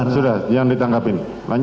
sudah jangan ditangkapin